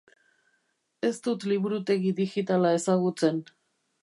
Ez dut liburutegi digitala ezagutzen.